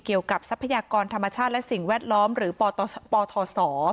ทรัพยากรธรรมชาติและสิ่งแวดล้อมหรือปทศ